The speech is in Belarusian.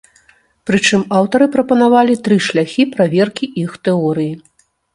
Прычым, аўтары прапанавалі тры шляхі праверкі іх тэорыі.